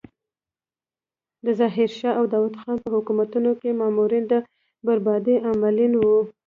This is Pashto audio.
د ظاهر شاه او داود خان په حکومتونو کې مامورین د بربادۍ عاملین وو.